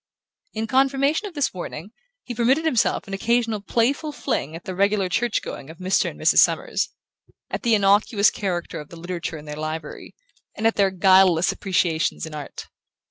In confirmation of this warning he permitted himself an occasional playful fling at the regular church going of Mr. and Mrs. Summers, at the innocuous character of the literature in their library, and at their guileless appreciations in art.